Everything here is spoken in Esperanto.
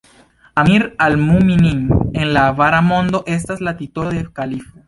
Amir al-Mu'minin en la araba mondo estas la titolo de kalifo.